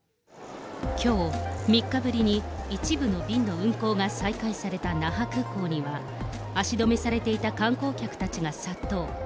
きょう、３日ぶりに一部の便の運航が再開された那覇空港には、足止めされていた観光客たちが殺到。